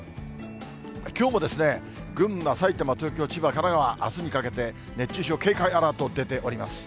きょうも群馬、埼玉、東京、千葉、神奈川、あすにかけて熱中症警戒アラート出ております。